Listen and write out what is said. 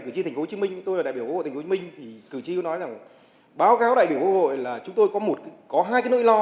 cử tri thành phố hồ chí minh tôi là đại biểu của hồ chí minh thì cử tri cứ nói rằng báo cáo đại biểu của hồ hội là chúng tôi có hai cái nỗi lo